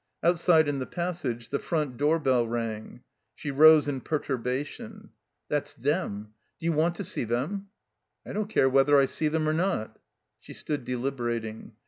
Outside in the passage the front door bell rang. She rose in perturbation. 361 it' tt' ir tt it THE COMBINED MAZE "That's them. Do you want to see them?" "I don't care whether I see them or not." She stood deliberating.